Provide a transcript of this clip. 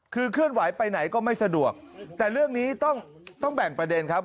คือเคลื่อนไหวไปไหนก็ไม่สะดวกแต่เรื่องนี้ต้องต้องแบ่งประเด็นครับ